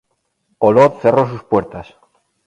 Olot cerró sus puertas.